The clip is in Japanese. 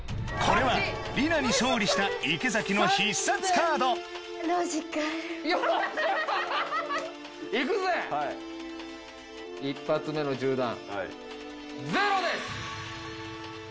これはリナに勝利した池崎の必殺カードよっしゃ！